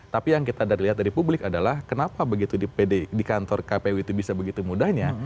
tapi yang kita lihat dari publik adalah kenapa begitu di kantor kpu itu bisa begitu mudahnya